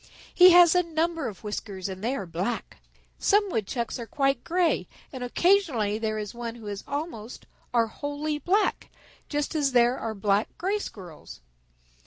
He has a number of whiskers and they are black. Some Woodchucks are quite gray, and occasionally there is one who is almost, or wholly black, just as there are black Gray Squirrels.